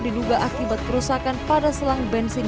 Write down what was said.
diduga akibat kerusakan pada selang bensin